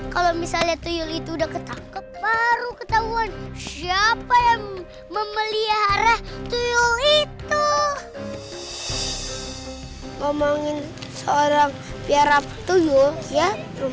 kalau misalnya tuyul itu udah ketangkep baru ketahuan siapa yang memelihara tuyul itu